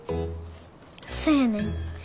そやねん。